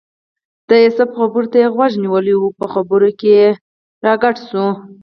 د یوسف خبرو ته یې غوږ نیولی و او په خبرو کې راګډ شو.